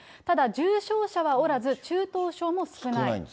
ただ重症者はおらず、中等症も少ない。